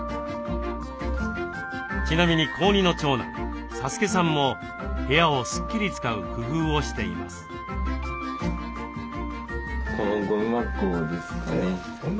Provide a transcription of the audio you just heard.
ちなみに高２の長男颯恭さんも部屋をスッキリ使う工夫をしています。